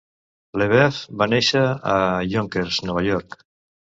LeBouef va néixer a Yonkers, Nova York.